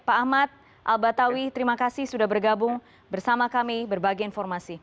pak ahmad al batawi terima kasih sudah bergabung bersama kami berbagi informasi